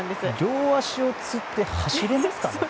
両足をつって走れますかね？